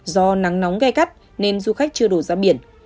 do nắng nóng gai gắt nên du khách chưa đổ ra biển